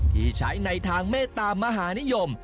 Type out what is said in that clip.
ที่ใช้ในทางเมตตามหานิยม